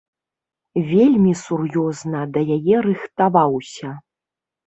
Вельмі сур'ёзна да яе рыхтаваўся.